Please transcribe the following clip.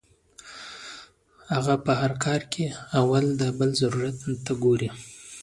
هغه پۀ هر کار کې اول د بل ضرورت ته ګوري -